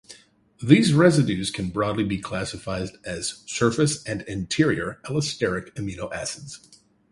These residues can broadly be classified as surface- and interior-allosteric amino acids.